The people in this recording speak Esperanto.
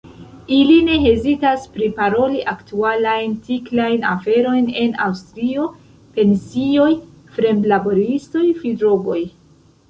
Ili ne hezitas priparoli aktualajn tiklajn aferojn en Aŭstrio: pensioj, fremdlaboristoj, fidrogoj.